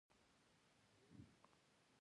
دال او نسک.